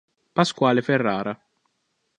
Pasquale Ferrara